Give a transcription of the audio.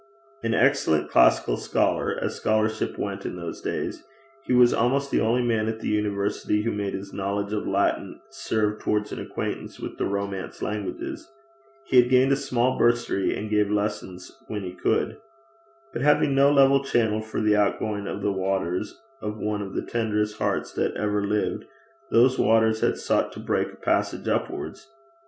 An excellent classical scholar as scholarship went in those days he was almost the only man in the university who made his knowledge of Latin serve towards an acquaintance with the Romance languages. He had gained a small bursary, and gave lessons when he could. But having no level channel for the outgoing of the waters of one of the tenderest hearts that ever lived, those waters had sought to break a passage upwards.